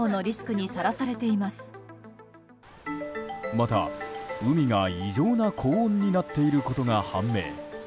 また、海が異常な高温になっていることが判明。